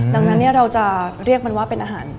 ดังนั้นเราจะเรียกมันว่าเป็นอาหาร